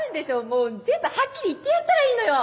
もう全部はっきり言ってやったらいいのよ！